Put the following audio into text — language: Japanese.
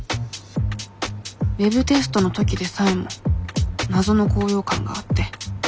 ウェブテストの時でさえも謎の高揚感があって。